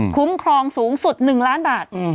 คุ้มครองสูงสุด๑ล้านบาท